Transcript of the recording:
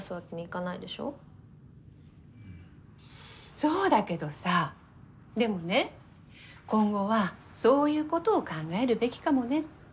そうだけどさでもね今後はそういうことを考えるべきかもねって思う。